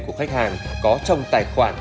của khách hàng có trong tài khoản